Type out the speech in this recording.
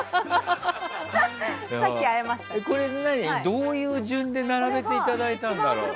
どういう順で並べていただいたんだろう？